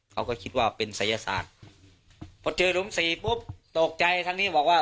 เขาก็คิดว่าเป็นศัยศาสตร์พอเจอหลุมสี่ปุ๊บตกใจทางนี้บอกว่า